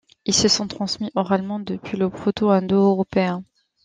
Ils se sont transmis oralement depuis le proto indo-européen.